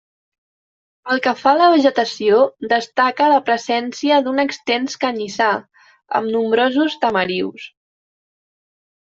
Pel que fa a la vegetació, destaca la presència d'un extens canyissar, amb nombrosos tamarius.